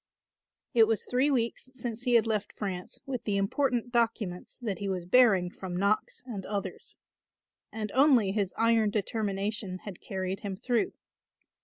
It was three weeks since he had left France with the important documents that he was bearing from Knox and others; and only his iron determination had carried him through.